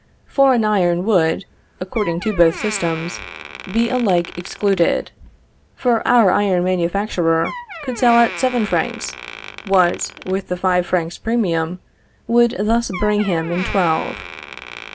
Foreign iron would, according to both systems, be alike excluded; for our iron manufacturer could sell at seven francs, what, with the five francs premium, would thus bring him in twelve.